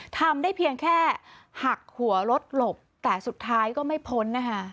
ทำได้เพียงแค่หักหัวรถหลบแต่สุดท้ายก็ไม่พ้นนะคะ